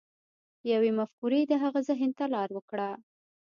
يوې مفکورې د هغه ذهن ته لار وکړه.